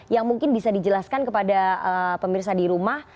yang mungkin bisa dijelaskan kepada pemirsa di rumah